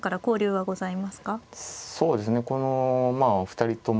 はい。